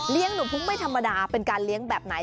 หนูพุ้งไม่ธรรมดาเป็นการเลี้ยงแบบไหน